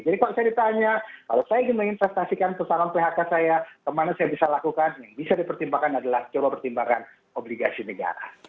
jadi kalau saya ditanya kalau saya ingin menginvestasikan persamaan phk saya kemana saya bisa lakukan yang bisa dipertimbangkan adalah coba pertimbangkan obligasi negara